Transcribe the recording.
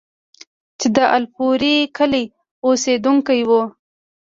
چې د الپورۍ کلي اوسيدونکی وو،